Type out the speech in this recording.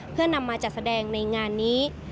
เพื่อนำมาจัดแสดงในงานนี้